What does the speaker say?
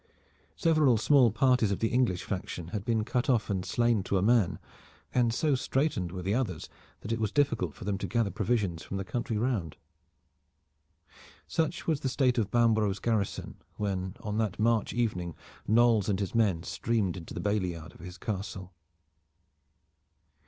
Several small parties of the English faction had been cut off and slain to a man, and so straitened were the others that it was difficult for them to gather provisions from the country round. Such was the state of Bambro's garrison when on that March evening Knolles and his men streamed into the bailey yard of his Castle.